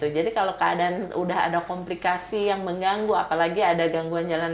jadi kalau keadaan sudah ada komplikasi yang mengganggu apalagi ada gangguan jalan angin